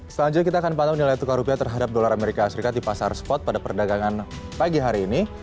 selanjutnya kita akan pantau nilai tukar rupiah terhadap dolar amerika serikat di pasar spot pada perdagangan pagi hari ini